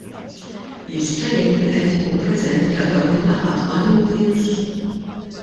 Jista' jgħid min qed ikun preżenti għal dawn il-laqgħat mal-unions?